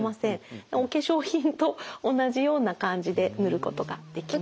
お化粧品と同じような感じで塗ることができます。